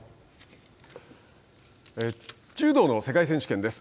柔道の世界選手権です。